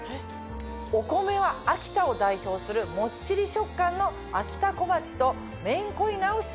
お米は秋田を代表するもっちり食感のあきたこまちとめんこいなを使用。